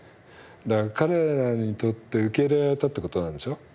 彼らにとって受け入れられたってことなんでしょ。